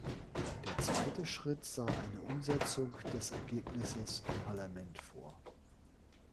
Der zweite Schritt sah eine Umsetzung des Ergebnisses im Parlament vor.